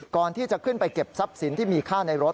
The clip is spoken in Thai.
ก่อนที่จะขึ้นไปเก็บทรัพย์สินที่มีค่าในรถ